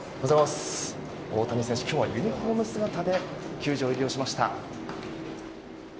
大谷選手、今日はユニホーム姿で球場入りしました。